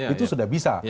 itu sudah bisa